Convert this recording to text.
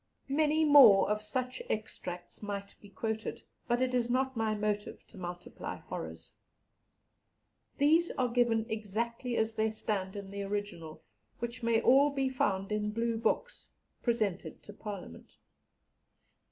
Many more of such extracts might be quoted, but it is not my motive to multiply horrors. These are given exactly as they stand in the original, which may all be found in Blue Books presented to Parliament.